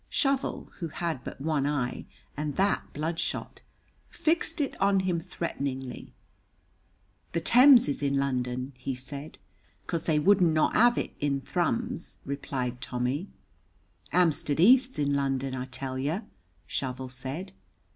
Shovel, who had but one eye, and that bloodshot, fixed it on him threateningly. "The Thames is in London," he said. "'Cos they wouldn't not have it in Thrums," replied Tommy. "'Amstead 'Eath's in London, I tell yer," Shovel said.